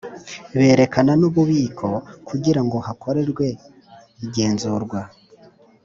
Berekana n’ububiko kugira ngo hakorerwe igenzurwa